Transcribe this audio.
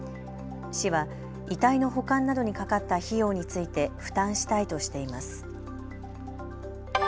市は遺体の保管などにかかった費用について負担したいとしています。